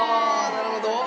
なるほど！